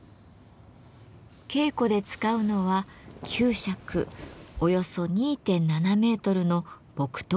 稽古で使うのは９尺およそ２．７ｍの木刀の薙刀。